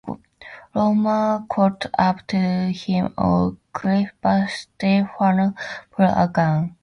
Roman caught up to him on a cliff, but Stefano pulled a gun.